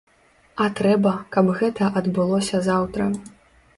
А трэба, каб гэта адбылося заўтра.